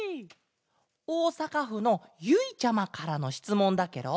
おおさかふのゆいちゃまからのしつもんだケロ。